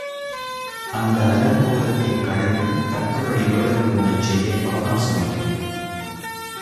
அந்த அலங் கோலத்தைக் களைந்து தக்கபடி வேடம் பூணச்செய்ய அவகாசமில்லை!